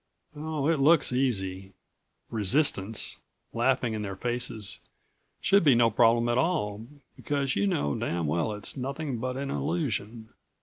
Oh, it looks easy. Resistance, laughing in their faces, should be no problem at all, because you know damn well it's nothing but an illusion.